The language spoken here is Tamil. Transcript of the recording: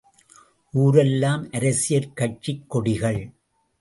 ஊரெலாம் அரசியற் கட்சிக் கொடிகள்!